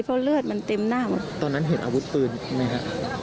เพราะเลือดมันเต็มหน้าตอนนั้นเห็นอาวุธปืนไหมครับ